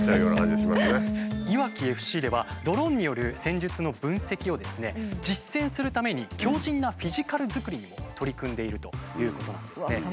いわきＦＣではドローンによる戦術の分析を実践するために強靱なフィジカル作りにも取り組んでいるということなんですね。